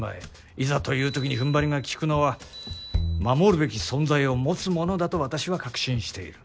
いざというときに踏ん張りが効くのは守るべき存在を持つ者だと私は確信している。